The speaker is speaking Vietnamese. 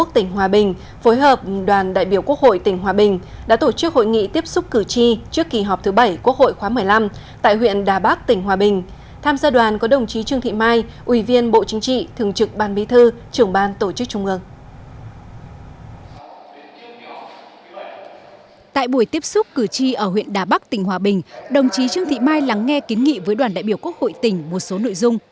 tại buổi tiếp xúc cử tri ở huyện đà bắc tỉnh hòa bình đồng chí trương thị mai lắng nghe kiến nghị với đoàn đại biểu quốc hội tỉnh một số nội dung